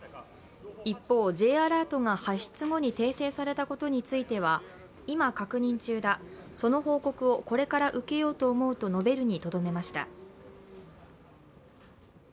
一方、Ｊアラートが発出後に訂正されたことについては今、確認中だ、その報告をこれから受けようと思うと述べるにとどめました。